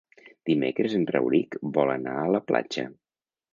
Dimecres en Rauric vol anar a la platja.